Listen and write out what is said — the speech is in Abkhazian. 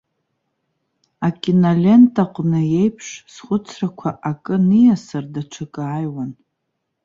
Акинолентаҟны еиԥш, схәыцрақәа акы ниасыр даҽакы ааиуан.